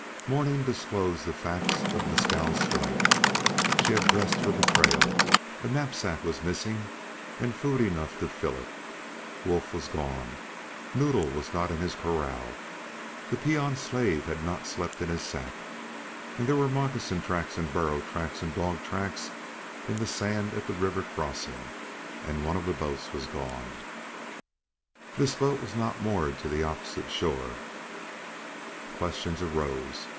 Morning disclosed the facts of Mescal's flight. She had dressed for the trail; a knapsack was missing and food enough to fill it; Wolf was gone; Noddle was not in his corral; the peon slave had not slept in his shack; there were moccasin tracks and burro tracks and dog tracks in the sand at the river crossing, and one of the boats was gone. This boat was not moored to the opposite shore. Questions arose.